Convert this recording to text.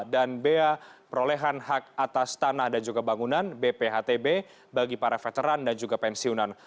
dan bea perolehan hak atas tanah dan juga bangunan bphtb bagi para veteran dan juga pensiunan